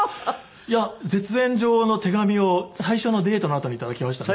いや絶縁状の手紙を最初のデートのあとに頂きましたね。